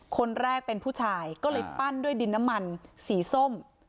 คนแรกเป็นผู้ชายก็เลยปั้นด้วยดินน้ำมันสีส้ม